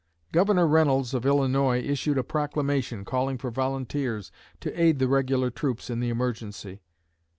Governor Reynolds of Illinois issued a proclamation calling for volunteers to aid the regular troops in the emergency.